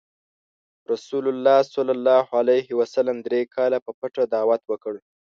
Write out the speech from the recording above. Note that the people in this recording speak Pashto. رسول الله ﷺ دری کاله په پټه دعوت وکړ.